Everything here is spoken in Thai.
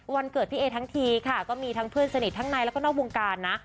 วันเกิดพี่เอทั้งทีค่ะก็มีทั้งเพื่อนสนิททั้งในแล้วก็นอกวงการนะ